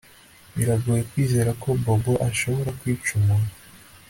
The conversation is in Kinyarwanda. Biragoye kwizera ko Bobo ashobora kwica umuntu